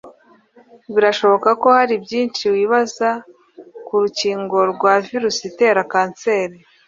Birashoboka ko hari byinshi wibaza ku rukingo rwa virusi itera kanseri